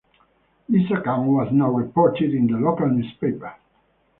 This account was not reported in the local newspaper.